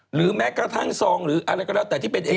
หรือแม้กระทั่งซองหรืออะไรก็แล้วแต่ที่เป็นเอง